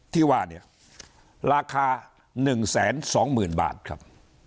ที่ว่าเนี่ยราคา๑แสน๒หมื่นบาทครับ